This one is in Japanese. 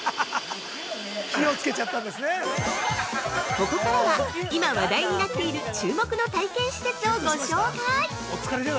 ◆ここからは、今話題になっている注目の体験施設をご紹介。